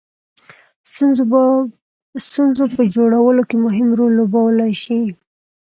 ستونزو په جوړولو کې مهم رول لوبولای شي.